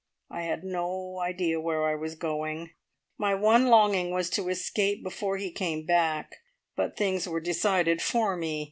I had no idea where I was going. My one longing was to escape before he came back, but things were decided for me.